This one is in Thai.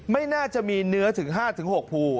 ไม่น่าจะมีเนื้อถึง๕๖ภู